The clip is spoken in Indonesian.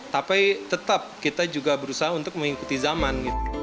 tapi tetap kita juga berusaha untuk mengikuti zaman